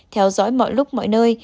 theo dõi mọi lúc mọi nơi